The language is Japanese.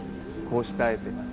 こうして会えて。